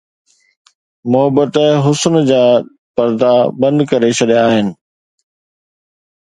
محبت حسن جا پردا بند ڪري ڇڏيا آهن